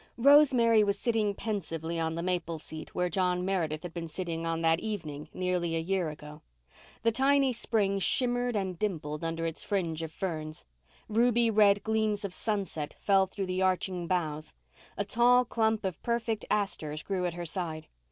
Rosemary was sitting pensively on the maple seat where John Meredith had been sitting on that evening nearly a year ago. The tiny spring shimmered and dimpled under its fringe of ferns. Ruby red gleams of sunset fell through the arching boughs. A tall clump of perfect asters grew at her side.